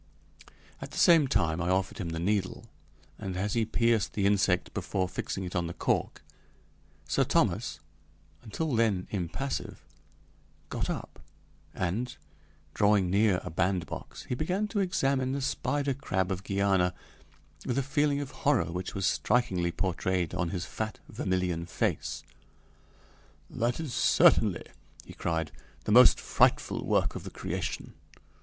At the same time I offered him the needle, and as he pierced the insect before fixing it on the cork, Sir Thomas, until then impassive, got up, and, drawing near a bandbox, he began to examine the spider crab of Guiana with a feeling of horror which was strikingly portrayed on his fat vermilion face. "That is certainly," he cried, "the most frightful work of the creation.